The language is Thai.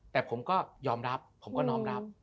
แต่ผมก็ยอมรับผมก็น้อมรับ